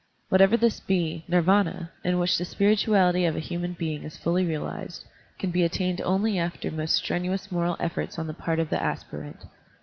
Whatever this be. Nirvana, in which the spir ituality of a human being is fully realized, can be attained only after most strenuous moral efforts on the part of the aspirant.